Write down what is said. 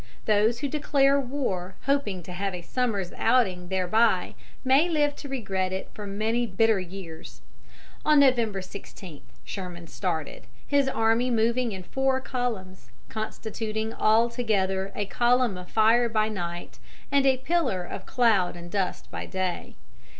Those who declare war hoping to have a summer's outing thereby may live to regret it for many bitter years. On November 16, Sherman started, his army moving in four columns, constituting altogether a column of fire by night, and a pillar of cloud and dust by day.